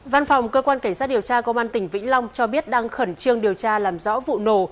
văn phòng cơ quan cảnh sát điều tra công an tỉnh vĩnh long cho biết đang khẩn trương điều tra làm rõ vụ nổ